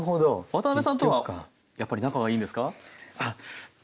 渡辺さんとはやっぱり仲がいいんですか？